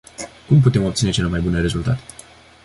Cum putem obține cele mai bune rezultate?